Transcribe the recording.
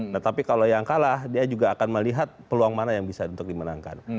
nah tapi kalau yang kalah dia juga akan melihat peluang mana yang bisa untuk dimenangkan